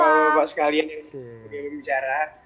bapak bapak sekalian yang sedang berbicara